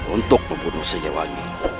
untuk membunuh seyewangi